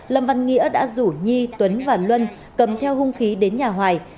lâm văn nghĩa đã rủ nhi tuấn và luân cầm theo hung khí đến nhà hoài